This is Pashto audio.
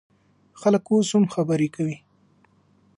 خلک اوس هم خبرې کوي.